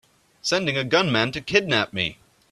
Sending a gunman to kidnap me!